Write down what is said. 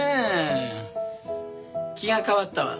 気が変わったわ。